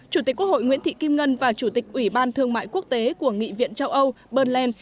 chủ tịch quốc hội nguyễn thị kim ngân và chủ tịch ủy ban thương mại quốc tế của nghị viện châu âu bân lên